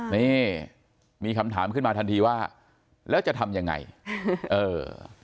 นี่มีคำถามขึ้นมาทันทีว่าแล้วจะทำยังไงเออ